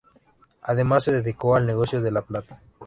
Además se dedicó al negocio de la plata.